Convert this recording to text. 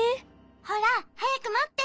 ほらはやくもって。